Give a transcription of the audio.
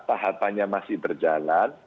tahapannya masih berjalan